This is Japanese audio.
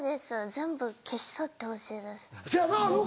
全部消し去ってほしいです。